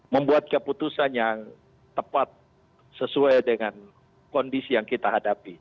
membuat keputusan yang tepat sesuai dengan kondisi yang kita hadapi